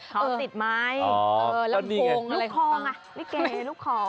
เขาติดไม้ลำโพงอะไรของเขาอ๋อนี่ไงลิเกลูกของ